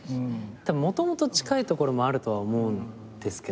もともと近いところもあるとは思うんですけど。